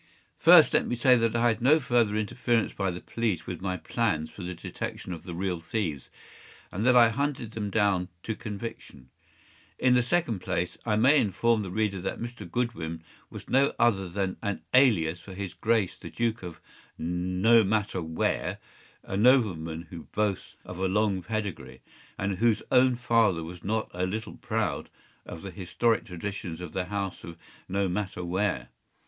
First, let me say that I had no further interference by the police with my plans for the detection of the real thieves, and that I hunted them down to conviction. In the second place, I may inform the reader that Mr. Goodwin was no other than an alias for his Grace the Duke of Nomatterwhere, a nobleman who boasts of a long pedigree, and whose own father was not a little proud of the historic traditions of the house of Nomatterwhere.